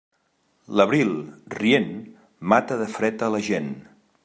L'abril, rient, mata de fred a la gent.